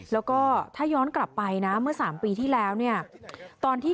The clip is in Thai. แล้วก็ถ้าย้อนกลับไปนะเมื่อ๓ปีที่แล้วเนี่ยตอนที่